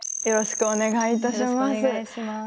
よろしくお願いします。